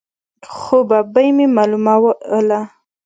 خو ببۍ مې معلوموله.